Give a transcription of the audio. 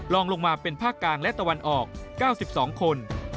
ลองลงมาเป็นภาคกลางและตะวันออก๙๒คน